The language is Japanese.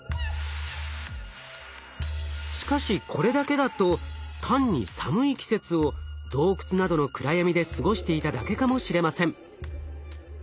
しかしこれだけだと単に寒い季節を洞窟などの暗闇で過ごしていただけかもしれません。